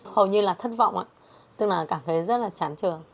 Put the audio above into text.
hầu như là thất vọng ạ tức là cảm thấy rất là chán trường